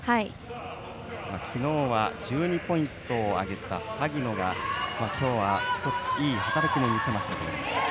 昨日は１２ポイントを挙げた萩野が今日は１ついい働きも見せました。